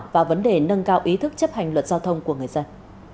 và vấn đề nâng cao ý thức chấp hành luật giao thông của người dân